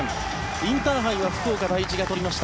インターハイは福岡第一が取りました。